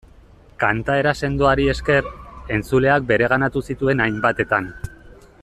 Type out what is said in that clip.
Kantaera sendoari esker, entzuleak bereganatu zituen hainbatetan.